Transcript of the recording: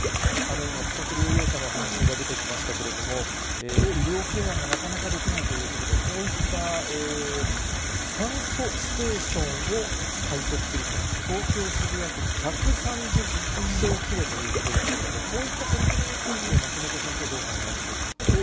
今、自宅療養者のお話が出てきましたけれども、医療ケアがなかなかできないということで、こういった酸素ステーションを開設すると、東京・渋谷区に１３０床規模ということですけれども、こういった取り組みについて、松本先生、どうお考えでしょうか。